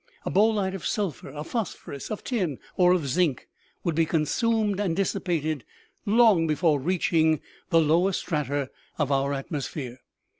A bolide of sulphur, of phosphorus, of tin or of zinc, would be consumed and dissipated long before reaching the lower strata of our atmosphere.